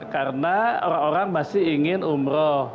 karena orang orang masih ingin umroh